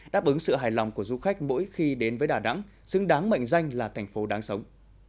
đáp ứng sự hài lòng của du khách mỗi khi đến với đà nẵng xứng đáng mệnh danh là thành phố đáng sống